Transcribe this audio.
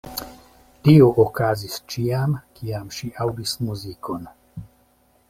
Tio okazis ĉiam, kiam ŝi aŭdis muzikon.